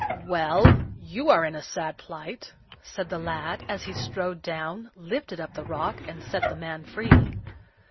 "Well! you are in a sad plight," said the lad, as he strode down, lifted up the rock, and set the man free.